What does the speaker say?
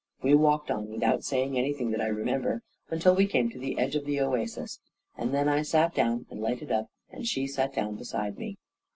We walked on, without saying anything that I remember, until we came to the edge of the oasis; and then I sat down and lighted up, and she sat down beside me.